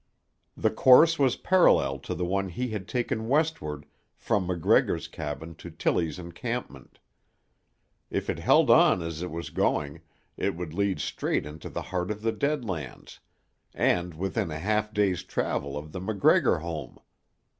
The course was parallel to the one he had taken westward from MacGregor's cabin to Tillie's encampment. If it held on as it was going it would lead straight into the heart of the Dead Lands, and within half a day's travel of the MacGregor home.